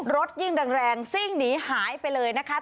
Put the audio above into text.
ยิ่งแรงซิ่งหนีหายไปเลยนะคะ